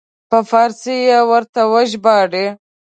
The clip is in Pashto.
په فارسي یې ورته وژباړي.